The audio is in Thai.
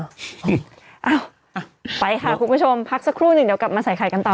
เอ้าไปค่ะคุณผู้ชมพักสักครู่หนึ่งเดี๋ยวกลับมาใส่ไข่กันต่อ